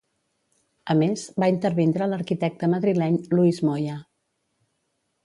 A més, va intervindre l'arquitecte madrileny Luis Moya.